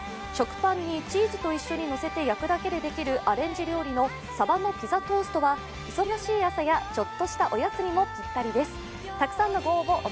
食パンにチーズと一緒にのせて焼くだけでできるアレンジ料理の「さばのピザトースト」は忙しい朝やちょっとしたおやつにもぴったりですたくさんのご応募